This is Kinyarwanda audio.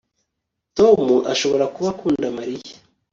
Tom ashobora kuba akunda Mariya